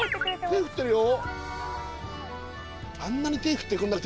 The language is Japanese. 手振ってるよ。